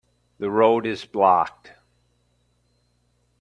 The road is blocked.